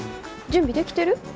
準備できてる？